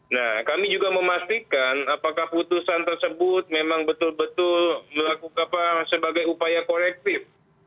nah kami juga memastikan apakah putusan tersebut memang betul betul melakukan sebagai upaya korektif